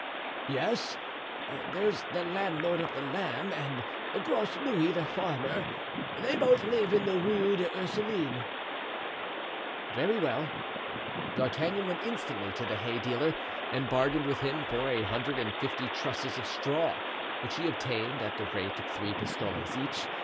"Yes; there's the landlord of the Lamb, and Gros Louis the farmer; they both live in the Rue des Ursulines." "Very well." D'Artagnan went instantly to the hay dealer and bargained with him for a hundred and fifty trusses of straw, which he obtained, at the rate of three pistoles each.